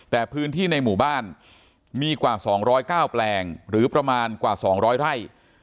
แต่พื้นที่ในหมู่บ้านมีกว่า๒๐๙แปลงหรือประมาณกว่า๒๐๐ไร่